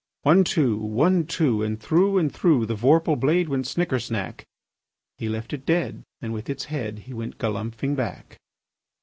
One, two! One, two! And through and through The vorpal blade went snicker snack! He left it dead, and with its head He went galumphing back.